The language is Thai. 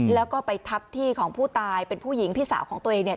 แล้วก็ไปทับที่ของผู้ตายเป็นผู้หญิงพี่สาวของตัวเองเนี่ย